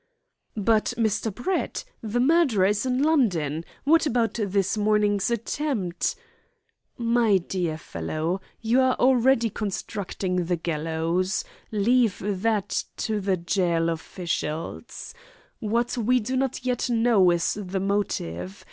"But, Mr. Brett, the murderer is in London! What about this morning's attempt " "My dear fellow, you are already constructing the gallows. Leave that to the gaol officials. What we do not yet know is the motive.